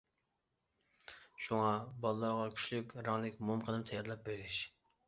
شۇڭا، بالىلارغا كۈچلۈك رەڭلىك موم قەلەم تەييارلاپ بېرىش.